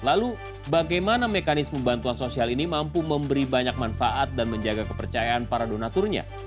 lalu bagaimana mekanisme bantuan sosial ini mampu memberi banyak manfaat dan menjaga kepercayaan para donaturnya